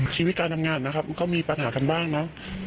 ชีวิตการทำงานนะครับก็มีปัญหากันบ้างเนอะ